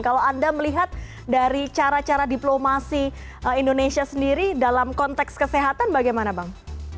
kalau anda melihat dari cara cara diplomasi indonesia sendiri dalam konteks kesehatan bagaimana bang